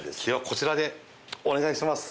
こちらでお願いします！